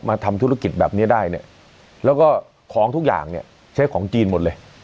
ทำธุรกิจแบบนี้ได้เนี่ยแล้วก็ของทุกอย่างเนี่ยใช้ของจีนหมดเลย